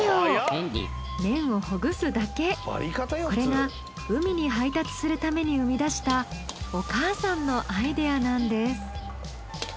これが海に配達するために生み出したお母さんのアイデアなんです。